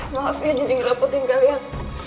maaf ya jadi ngeraputin kalian